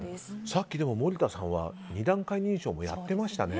さっき森田さんは二段階認証もやってましたね。